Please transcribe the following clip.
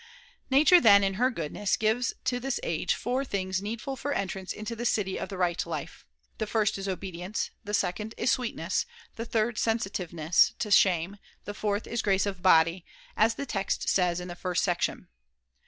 Nature then, in her goodness, gives to this i. ii. Hi. iv. age four things needful for entrance into the city of the right life. The first is obedience, the second is sweetness, the third sensitiveness to shame, the fourth is grace of body, as the «. text says in the first section.